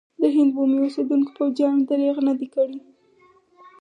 د هند بومي اوسېدونکو پوځیانو درېغ نه دی کړی.